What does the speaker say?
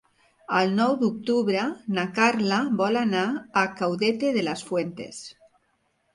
El nou d'octubre na Carla vol anar a Caudete de las Fuentes.